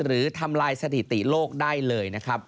ทำลายสถิติโลกได้เลยนะครับ